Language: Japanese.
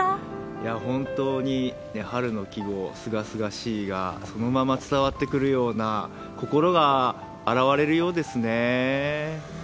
いや、本当に春の季語、すがすがしいがそのまま伝わってくるような、心が洗われるようですね。